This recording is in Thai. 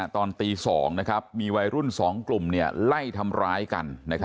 ตอนตี๒มีวัยรุ่น๒กลุ่มไล่ทำร้ายกัน